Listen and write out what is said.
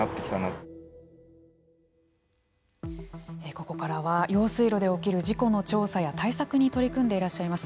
ここからは用水路で起きる事故の調査や対策に取り組んでいらっしゃいます